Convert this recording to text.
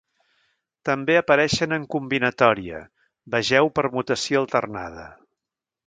També apareixen en combinatòria; vegeu permutació alternada.